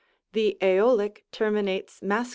The ^olic terminates Masc.